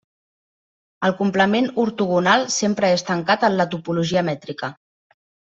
El complement ortogonal sempre és tancat en la topologia mètrica.